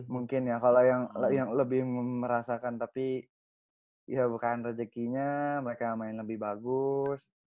mungkin ya kalau yang lebih merasakan tapi ya bukan rezekinya mereka main lebih bagus